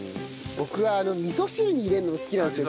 僕は味噌汁に入れるのも好きなんですよ